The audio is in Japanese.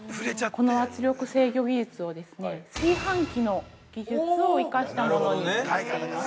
この圧力制御技術は炊飯器の技術を生かしたものになっています。